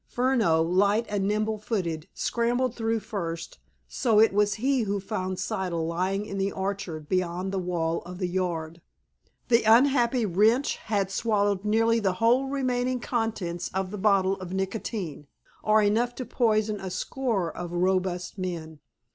Furneaux, light and nimble footed, scrambled through first, so it was he who found Siddle lying in the orchard beyond the wall of the yard. The unhappy wretch had swallowed nearly the whole remaining contents of the bottle of nicotine, or enough to poison a score of robust men.